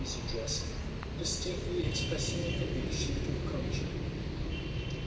's address, distinctly expressing a conviction to the contrary.